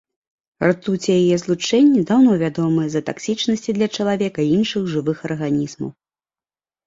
Ртуць і яе злучэнні даўно вядомыя з-за таксічнасці для чалавека і іншых жывых арганізмаў.